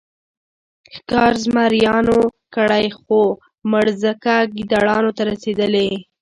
ښکار زمریانو کړی خو مړزکه ګیدړانو ته رسېدلې.